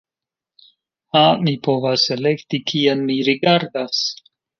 Ha mi povas elekti kien mi rigardas.